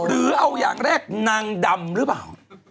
หรือเอาอย่างแรกนางดำหรือเปล่า